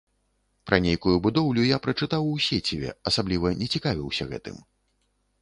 Пра нейкую будоўлю я прачытаў у сеціве, асабліва не цікавіўся гэтым.